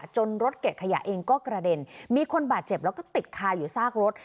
รถเก็บขยะเองก็กระเด็นมีคนบาดเจ็บแล้วก็ติดคาอยู่ซากรถ